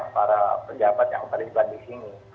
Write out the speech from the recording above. para pejabat yang pada jelas di sini